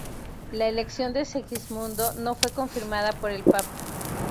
La elección de Segismundo no fue confirmada por el papa.